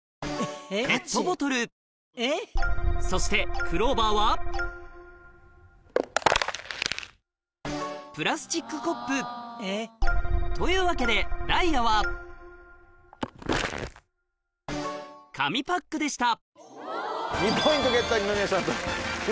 そしてクローバーはというわけでダイヤはそして。